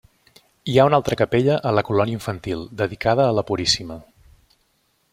Hi ha una altra capella a la colònia infantil, dedicada a la Puríssima.